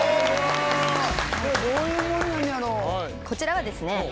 こちらはですね